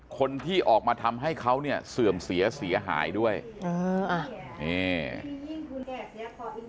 คนที่ออกมาทำให้เขาเนี่ยเสื่อมเสียเสียหายด้วยเอออ่ะนี่ยิ่งรุนแรง